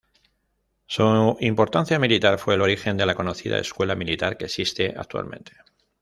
Su importancia militar fue el origen de la conocida escuela militar que existe actualmente.